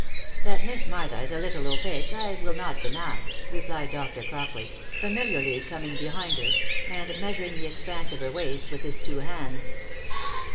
" That Miss Martha is a little opaque, I will not deny," replied Dr. Crockley, familiarly coming behind her, and measuring the ex panse of her waist with his two hands.